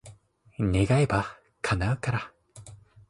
願えば、叶うから。